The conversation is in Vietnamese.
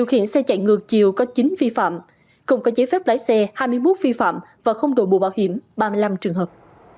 hiện xe chạy ngược chiều có chín vi phạm cùng có giấy phép lái xe hai mươi một vi phạm và không đổi bộ bảo hiểm ba mươi năm trường hợp